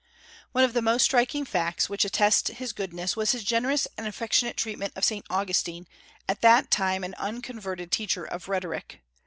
One of the most striking facts which attest his goodness was his generous and affectionate treatment of Saint Augustine, at that time an unconverted teacher of rhetoric.